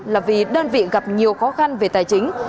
là vì đơn vị gặp nhiều khó khăn về tài chính